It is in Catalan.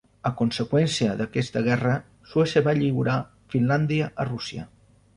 A conseqüència d'aquesta guerra, Suècia va lliurar Finlàndia a Rússia.